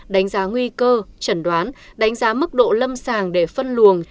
đánh giá nguy cơ trần đoán đánh giá mức độ lâm sàng để phân luồng